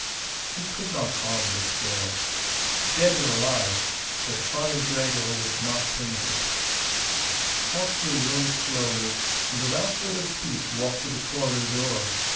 He could not harm this girl. Dead or alive, Stefani Gregor would not permit it. Hawksley rose slowly and without further speech walked to the corridor door.